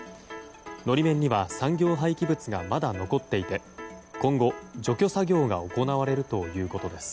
法面には、産業廃棄物がまだ残っていて今後、除去作業が行われるということです。